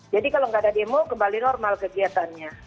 jadi kalau nggak ada demo kembali normal kegiatannya